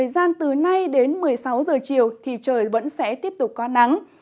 gian từ nay đến một mươi sáu giờ chiều thì trời vẫn sẽ tiếp tục có nắng